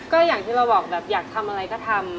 ก็อย่างที่เราบอกแบบอยากทำอะไรก็ทำ